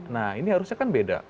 nah ini harusnya kan beda